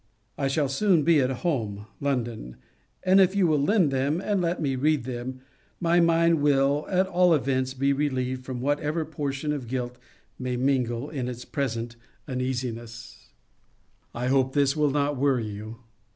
I shall soon be at home (London), and if you will lend them, and let me read them, my mind will, at all events, be relieved from whatever portion of guilt may mingle in its present uneasiness. 28 MONCURE DANIEL CONWAY I hope this will not worry you.